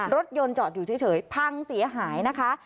รถยนต์จอดอยู่เฉยพังเสียหายนะคะ